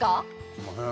すいません